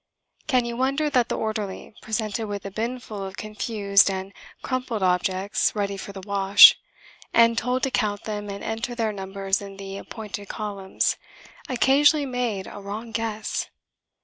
Can you wonder that the orderly, presented with a bin full of confused and crumpled objects ready for the wash, and told to count them and enter their numbers in the appointed columns, occasionally made a wrong guess?